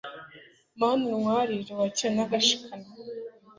mana utwakire (), wakire n'agashikanwa